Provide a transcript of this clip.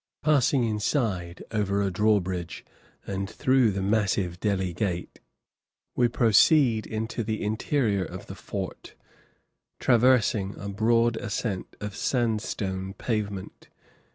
Passing inside over a drawbridge and through the massive Delhi Gate, we proceed into the interior of the fort, traversing a broad ascent of sandstone pavement.